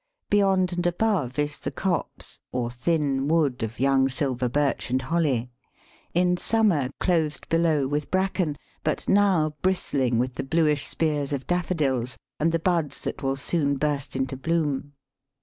Beyond and above is the copse, or thin wood of young silver Birch and Holly, in summer clothed below with bracken, but now bristling with the bluish spears of Daffodils and the buds that will soon burst into bloom.